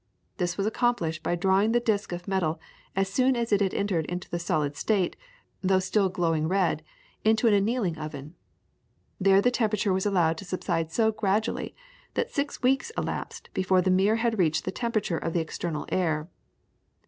This was accomplished by drawing the disc of metal as soon as it had entered into the solid state, though still glowing red, into an annealing oven. There the temperature was allowed to subside so gradually, that six weeks elapsed before the mirror had reached the temperature of the external air.